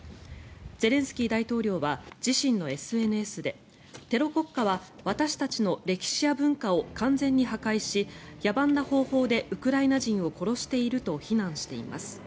ゼレンスキー大統領は自身のＳＮＳでテロ国家は私たちの歴史や文化を完全に破壊し野蛮な方法でウクライナ人を殺していると非難しています。